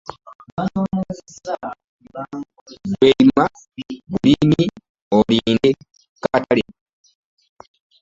Ggwe lima bulimi olinde katale.